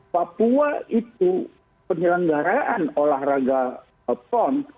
papua itu penyelenggaraan olahraga pon